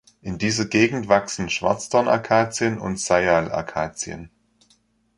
In dieser Gegend wachsen Schwarzdorn-Akazien und Seyal-Akazien.